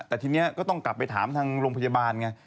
แต่ทีนี้ก็ต้องกลับไปถามทางโรงพยาบาลไง